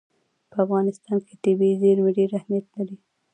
په افغانستان کې طبیعي زیرمې ډېر اهمیت لري.